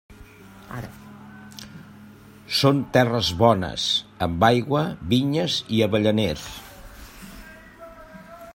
Són terres bones, amb aigua, vinyes i avellaners.